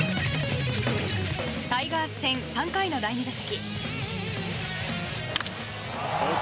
タイガース戦３回の第２打席。